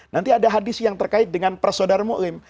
nanti ada hadis yang terkait dengan persaudar mu'lim